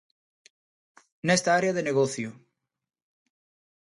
Nesta área de negocio.